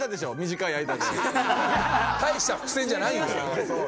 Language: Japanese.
大した伏線じゃない。